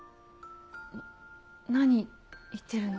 何言ってるの？